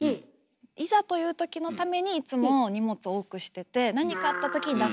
いざというときのためにいつも荷物多くしてて何かあったとき出せるように。